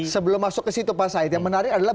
sebelum masuk ke situ pak said yang menarik adalah